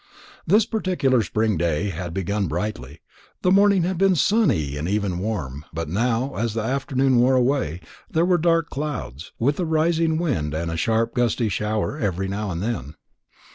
This particular spring day had begun brightly, the morning had been sunny and even warm; but now, as the afternoon wore away, there were dark clouds, with a rising wind and a sharp gusty shower every now and then.